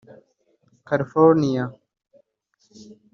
California